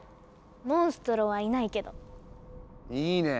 モンストロはいないけど。いいね！